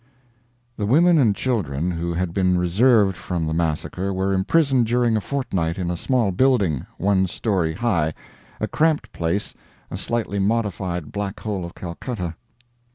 The women and children who had been reserved from the massacre were imprisoned during a fortnight in a small building, one story high a cramped place, a slightly modified Black Hole of Calcutta.